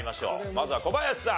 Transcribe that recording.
まずは小林さん。